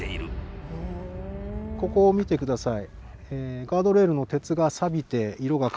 ここを見てください。